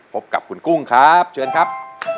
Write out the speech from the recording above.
พบกับคุณกุ้งครับเชิญครับ